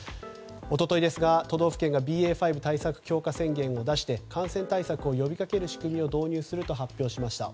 一昨日ですが都道府県がＢＡ．５対策強化宣言を出して感染対策を呼び掛ける仕組みを導入すると発表しました。